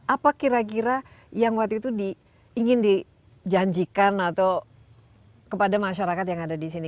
apa kira kira yang waktu itu ingin dijanjikan atau kepada masyarakat yang ada di sini